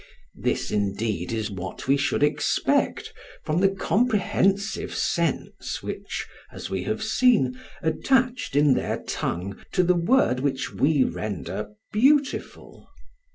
This indeed is what we should expect from the comprehensive sense which, as we have seen, attached in their tongue to the word which we render "beautiful."